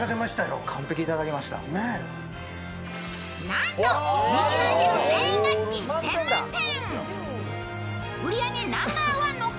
なんとミシュランシェフ全員が１０点満点。